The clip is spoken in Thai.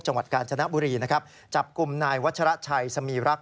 จังหวัดกาญจนบุรีนะครับจับกลุ่มนายวัชระชัยสมีรักษ